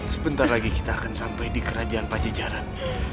sebentar lagi kita akan sampai di kerajaan pajajaran